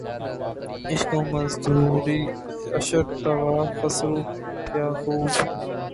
عشق و مزدوریِ عشر تگہِ خسرو‘ کیا خوب!